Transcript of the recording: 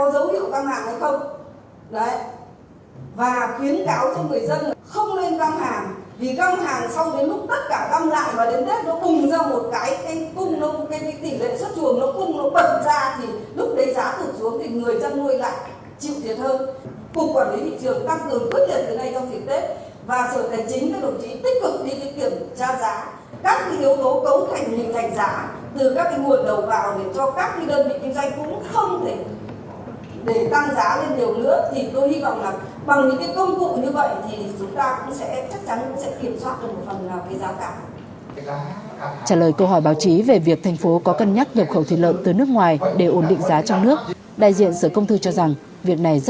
sở công thương hà nội cũng cho biết cục quản lý thị trường và sở tài chính sẽ tiếp tục đẩy mạnh kiểm tra kiểm soát công tác chống găm hàng